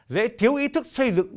dễ thiếu ý thức xây dựng